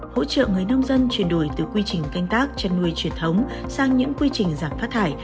hỗ trợ người nông dân chuyển đổi từ quy trình canh tác chăn nuôi truyền thống sang những quy trình giảm phát thải